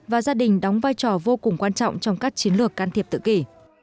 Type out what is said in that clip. và gia đình đóng vai trò vô cùng quan trọng trong các chiến lược can thiệp tự kỷ